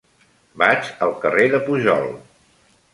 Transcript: Vaig al carrer de Pujol.